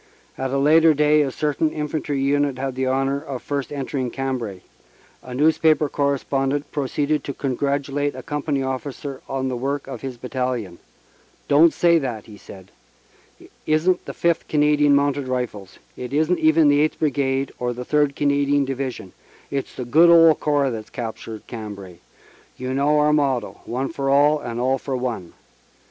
At a later day a certain infantry unit had the honor of first entering Cambrai. A newspaper correspondent proceeded to congratulate a com pany officer on the work of his battalion. "Don t say that," he said. "It isn t the Fifth Canadian Mounted Rifles; it isn t even the Eighth Brigade or the Third Canadian Division it s the good old Corps that s captured Cambrai ; you know our motto, One for all and all for one.